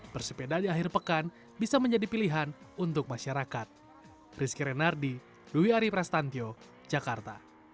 bersepeda di akhir pekan bisa menjadi pilihan untuk masyarakat